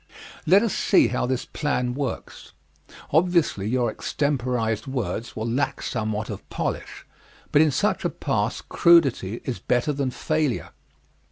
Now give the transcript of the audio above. Let us see how this plan works obviously, your extemporized words will lack somewhat of polish, but in such a pass crudity is better than failure.